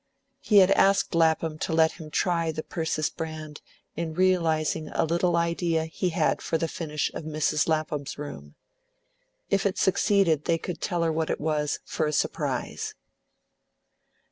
He had asked Lapham to let him try the Persis Brand in realising a little idea he had for the finish of Mrs. Lapham's room. If it succeeded they could tell her what it was, for a surprise.